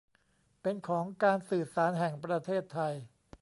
เป็นของการสื่อสารแห่งประเทศไทย